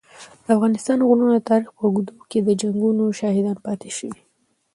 د افغانستان غرونه د تاریخ په اوږدو کي د جنګونو شاهدان پاته سوي.